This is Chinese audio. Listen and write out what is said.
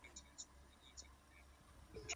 刺果峨参是伞形科峨参属的植物。